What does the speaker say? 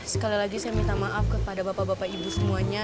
sekali lagi saya minta maaf kepada bapak bapak ibu semuanya